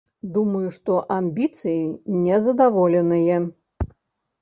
Думаю, што амбіцыі незадаволеныя.